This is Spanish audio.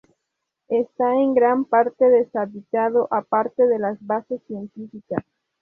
Está en gran parte deshabitado, aparte de las bases científicas.